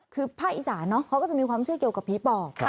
คือพระอิจฉาเนอะก็คือมีความเชื่อเกี่ยวกับผีปอบ